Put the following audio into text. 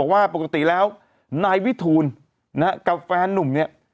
บอกว่าปกติแล้วนายวิทูลนะครับกับแฟนนุ่มเนี่ย